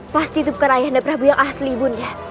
pasti itu bukan ayah anda prabu yang asli bun ya